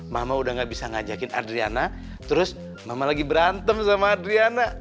mama udah gak bisa ngajakin adriana terus mama lagi berantem sama adriana